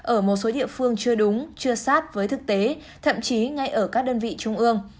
ở một số địa phương chưa đúng chưa sát với thực tế thậm chí ngay ở các đơn vị trung ương